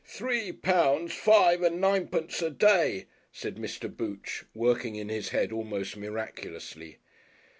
"Three pounds, five and ninepence a day," said Mr. Booch, working in his head almost miraculously....